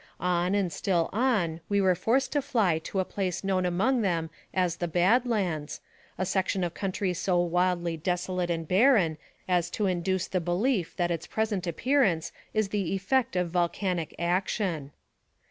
On, and still on, we were forced to fly to a place known among them as the Bad Lands, a section of country so wildly desolate and barren as to induce the belief that its present appearance is the effect of volcanic action.